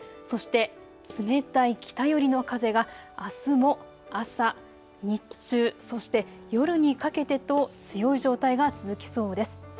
そして冷たい北寄りの風があすも朝、日中、そして夜にかけてと強い状態が続きそうです。